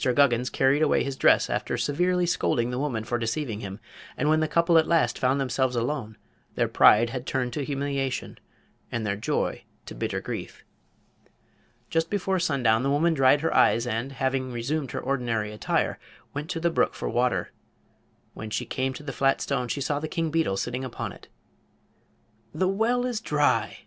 Guggins carried away his dress after severely scolding the woman for deceiving him, and when the couple at last found themselves alone their pride had turned to humiliation and their joy to bitter grief. Just before sundown the woman dried her eyes and, having resumed her ordinary attire, went to the brook for water. When she came to the flat stone she saw the King Beetle sitting upon it. "The well is dry!"